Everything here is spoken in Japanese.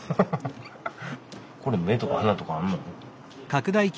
これ目とか鼻とかあんの？